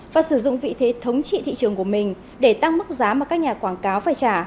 và sử dụng vị thế thống trị thị trường của mình để tăng mức giá mà các nhà quảng cáo phải trả